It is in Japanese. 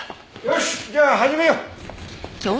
よしじゃあ始めよう。